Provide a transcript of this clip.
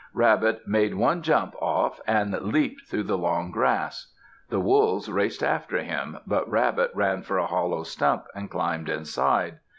Rabbit made one jump off and leaped through the long grass. The Wolves raced after him, but Rabbit ran for a hollow stump and climbed inside.